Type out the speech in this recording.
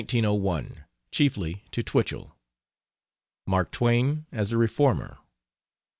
LETTERS OF 1901, CHIEFLY TO TWICHELL. MARK TWAIN AS A REFORMER.